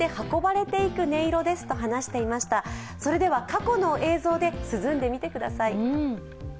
過去の映像で涼んでみてください。